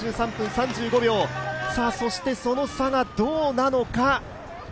３３分３５秒、そしてその差がどうなのか。